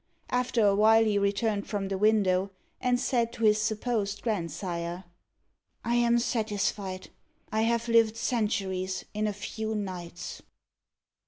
After a while he returned from the window, and said to his supposed grandsire, "I am satisfied. I have lived centuries in a few nights."